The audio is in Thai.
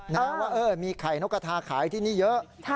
ว่ามีไข่นกกระทาขายที่นี่เยอะ